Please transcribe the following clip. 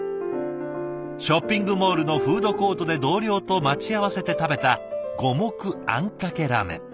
ショッピングモールのフードコートで同僚と待ち合わせて食べた五目あんかけラーメン。